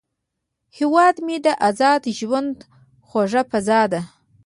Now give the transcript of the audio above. هیواد مې د ازاد ژوند خوږه فضا ده